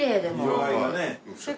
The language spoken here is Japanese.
色合いがね。